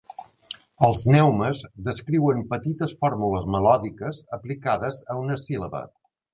Els neumes descriuen petites fórmules melòdiques aplicades a una síl·laba.